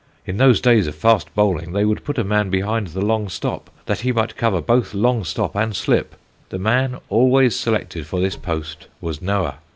In those days of fast bowling, they would put a man behind the long stop, that he might cover both long stop and slip; the man always selected for this post was Noah.